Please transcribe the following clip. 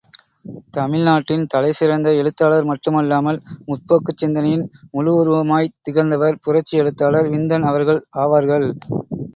தமிழ்நாட்டின் தலைசிறந்த எழுத்தாளர் மட்டுமல்லாமல், முற்போக்குச் சிந்தனையின் முழு உருவமாய்த் திகழ்ந்தவர் புரட்சி எழுத்தாளர் விந்தன் அவர்கள் ஆவார்கள்!